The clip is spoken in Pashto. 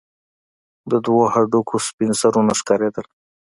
د دوو هډوکو سپين سرونه ښكارېدل.